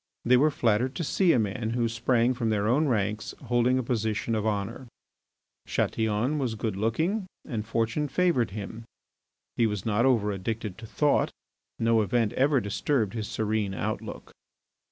They were flattered to see a man who sprang from their own ranks holding a position of honour. Chatillon was good looking and fortune favoured him. He was not over addicted to thought. No event ever disturbed his serene outlook.